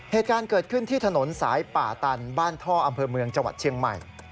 เหตุการณ์เกิดขึ้นที่ถนนสายป่าตันบ้านท่ออำเภอเมืองจังหวัดเชียงใหม่